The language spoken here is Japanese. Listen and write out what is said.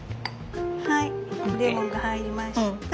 はいレモンが入りました。